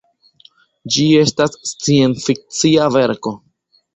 Ĝi estas sciencfikcia verko.